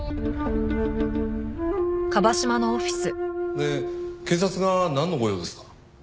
で警察がなんのご用ですか？